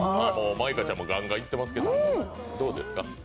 舞香ちゃんもガンガンいってますけどどうですか？